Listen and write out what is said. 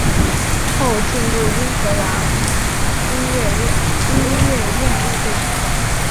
后进入新英格兰音乐院预备学校。